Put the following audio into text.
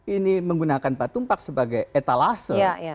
ini menggunakan pak tumpak sebagai etalase